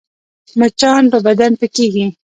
مچان په بدن پکېږي